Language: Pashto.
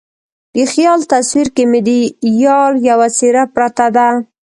د خیال تصویر کې مې د یار یوه څیره پرته ده